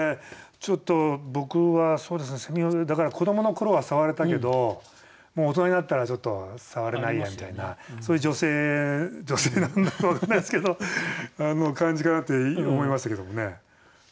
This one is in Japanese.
ちょっと僕はをだから子どもの頃は触れたけどもう大人になったらちょっと触れないやみたいなそういう女性女性なのか分かんないですけど感じかなって思いましたけどもね。